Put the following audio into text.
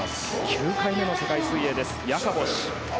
９回目の世界水泳ですヤカボシュ。